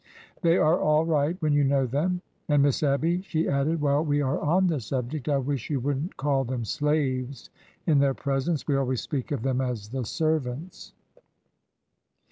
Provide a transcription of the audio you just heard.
They are all right when you know them. And, Miss Abby," she added, " while we are on the subject— I wish you would n't call them ' slaves ' in their presence. We always speak of them as the servants."